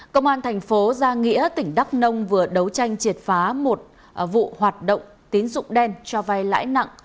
cơ quan thành phố gia nghĩa tỉnh đắk nông vừa đấu tranh triệt phá một vụ hoạt động tín dụng đen cho vai lãi nặng